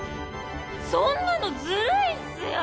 そんなのずるいっすよ！